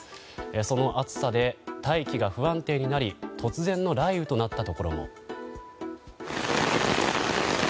その暑さで大気が不安定になり突然の雷雨となったところも。